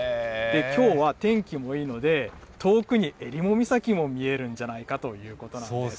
きょうは天気もいいので、遠くに襟裳岬も見えるんじゃないかということなんです。